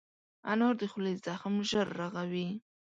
انار د خولې زخم ژر رغوي.